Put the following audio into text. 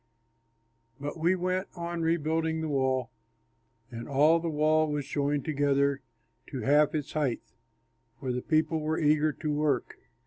But we went on rebuilding the wall; and all the wall was joined together to half its height, for the people were eager to work.